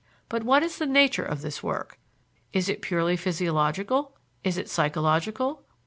But what is the nature of this work? Is it purely physiological? Is it psychological?